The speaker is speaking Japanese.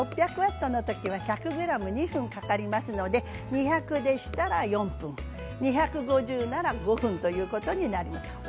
６００ワットの時には１００ｇ２分かかりますので２００ｇでしたら４分２５０なら５分ということになります。